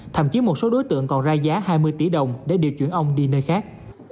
thậm chí một số đối tượng còn ra giá hai mươi tỷ đồng để điều chuyển ông đi nơi khác